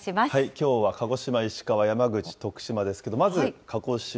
きょうは鹿児島、石川、山口、徳島ですけれども、まず鹿児島。